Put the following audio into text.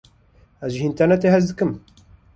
Ez ji înternetê hez dikim.